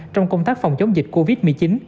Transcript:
trong công tác phòng chống dịch covid một mươi chín